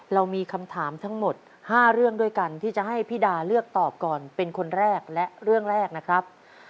เรามีคำถามทั้งหมด๕เรื่องด้วยกันที่จะให้พี่ดาเลือกตอบก่อนเป็นคนแรกและเรื่องแรกนะครับ